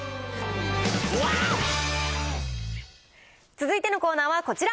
続いてのコーナーはこちら。